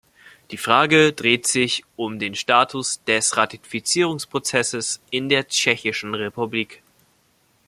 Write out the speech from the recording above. Die Frage dreht sich um den Status des Ratifizierungsprozesses in der Tschechischen Republik.